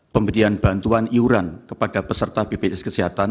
pemberian bantuan iuran kepada peserta bpjs kesehatan